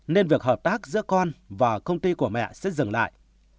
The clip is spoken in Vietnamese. nên việc hợp tác giữa con và công ty của mẹ sẽ dừng lại